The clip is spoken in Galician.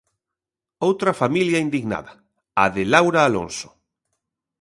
Outra familia indignada, a de Laura Alonso.